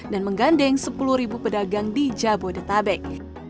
dan menggandeng sepuluh ribu pedagang di jabodetabek